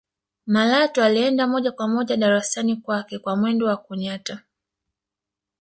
malatwa alienda moja kwa moja darasani kwake kwa mwendo wa kunyata